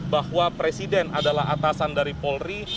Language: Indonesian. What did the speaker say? bahwa presiden adalah atasan dari polri